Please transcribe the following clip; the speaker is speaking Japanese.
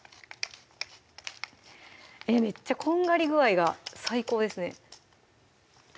めっちゃこんがり具合が最高ですねよ